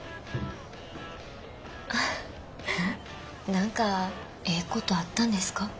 何かええことあったんですか？